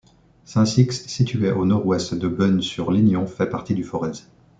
Saint-Sixte, situé au nord-ouest de Boën-sur-Lignon, fait partie du Forez.